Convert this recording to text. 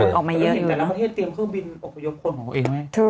เห็นแต่ละประเทศเตรียมเครื่องบินอพยพควรของเขาเองไหม